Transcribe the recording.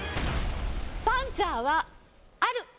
「パンツァー」はある。